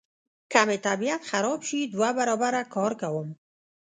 که مې طبیعت خراب شي دوه برابره کار کوم.